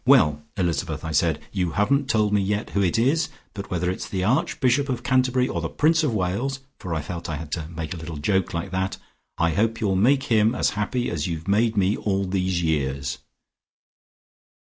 'Well, Elizabeth,' I said, 'you haven't told me yet who it is, but whether it's the Archbishop of Canterbury or the Prince of Wales for I felt I had to make a little joke like that I hope you'll make him as happy as you've made me all these years.'"